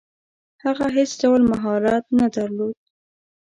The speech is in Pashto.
هغه هیڅ ډول مهارت نه درلود.